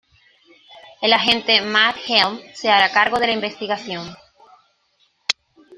El agente Matt Helm se hará cargo de la investigación.